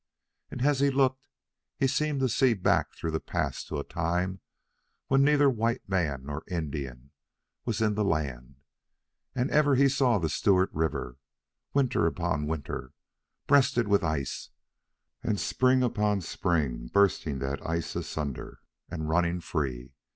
And as he looked he seemed to see back through the past to a time when neither white man nor Indian was in the land, and ever he saw the same Stewart River, winter upon winter, breasted with ice, and spring upon spring bursting that ice asunder and running free.